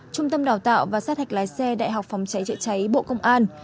trung tâm đào tạo và sát hạch lái xe đại học phòng cháy chữa cháy bộ công an